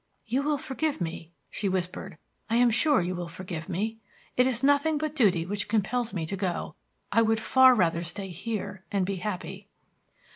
"You will forgive me," she whispered. "I am sure you will forgive me. It is nothing but duty which compels me to go. I would far rather stay here and be happy."